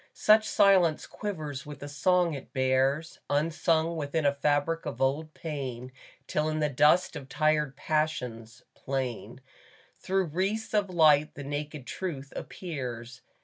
Such silence quivers with the song it bears, Unsung within a fabric of old pain, Till in the dust of tired passions, plain Through wreaths of light, the naked truth appears.